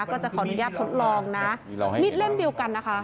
ก็จะขออนุญาตทดลองนะมีดเล่มเดียวกันนะคะ